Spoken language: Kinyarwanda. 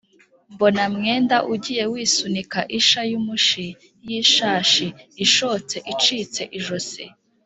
mbona mwenda ugiye wisunika isha y’umushi y’ishashi ishotse icitse ijosi.